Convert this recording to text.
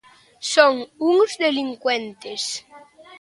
Son uns delincuentes.